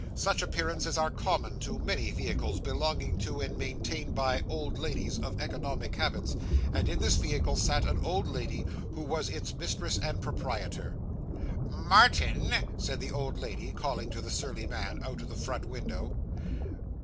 Such appearances are common to many vehicles belonging to, and maintained by, old ladies of economic habits; and in this vehicle sat an old lady who was its mistress and proprietor. 'Martin!' said the old lady, calling to the surly man, out of the front window.